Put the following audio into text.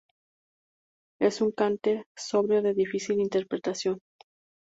Es un Cante sobrio de difícil interpretación.